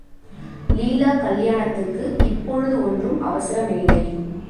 லீலா கல்யாணத்துக்கு இப்பொழுது ஒன்றும் அவசரம் இல்லை.